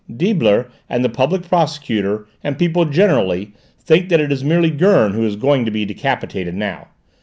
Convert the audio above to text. Deibler and the Public Prosecutor, and people generally, think that it is merely Gurn who is going to be decapitated now.